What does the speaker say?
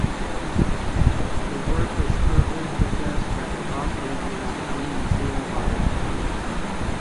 The work is currently possessed by the Los Angeles County Museum of Art.